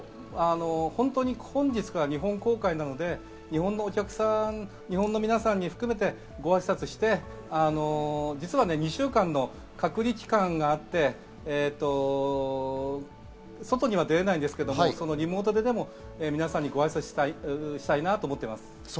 本日から日本公開なので、日本のお客さん、日本の皆さんを含めてご挨拶をして実は２週間の隔離期間があって外には出られないんですけど、リモートでも皆さんにご挨拶したいなと思っています。